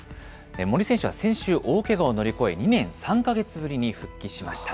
森選手は先週、大けがを乗り越え、２年３か月ぶりに復帰しました。